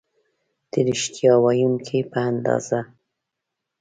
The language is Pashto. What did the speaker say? د ریښتیا ویونکي په اندازه